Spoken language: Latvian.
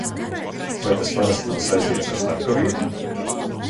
Vai tas parasti nav saistīts ar slepkavību?